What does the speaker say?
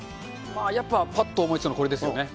やっぱぱっと思いつくのはこれですよね。